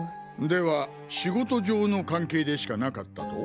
では仕事上の関係でしかなかったと？